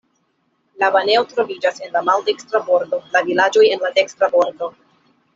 La banejo troviĝas en la maldekstra bordo, la vilaĝoj en la dekstra bordo.